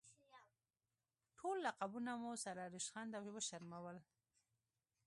ټول لقبونه مو سره ریشخند او وشرمول.